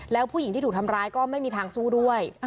แล้วผู้หญิงที่ถูกทำร้ายก็ไม่มีทางสู้ด้วย